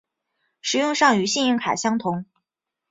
使用上与信用卡相同。